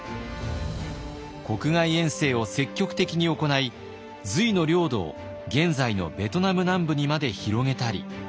国外遠征を積極的に行い隋の領土を現在のベトナム南部にまで広げたり。